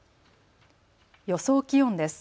予想気温です。